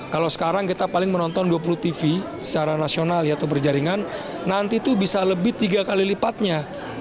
kalau sekarang kita paling menonton dua puluh tv secara nasional atau berjaringan nanti itu bisa lebih tiga kali lipatnya